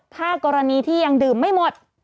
ถ้ากรณีที่ยังดื่มไม่หมด